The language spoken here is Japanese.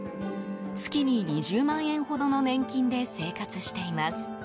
月に２０万円ほどの年金で生活しています。